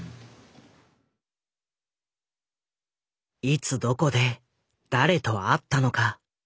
いつどこで誰と会ったのか。